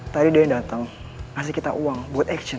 tadi dian datang ngasih kita uang buat action